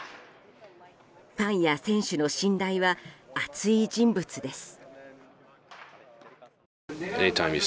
ファンや選手の信頼は厚い人物です。